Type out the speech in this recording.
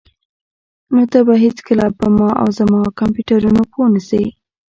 نو ته به هیڅکله په ما او زما کمپیوټرونو پوه نشې